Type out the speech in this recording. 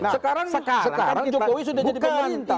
sekarang jokowi sudah jadi pemerintah